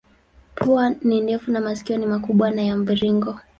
Pua ni ndefu na masikio ni makubwa na ya mviringo.